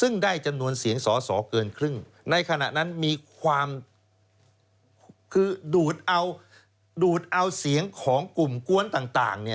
ในขณะนั้นมีความดูดอ้าวเสียงของกลุ่มกว้นต่าง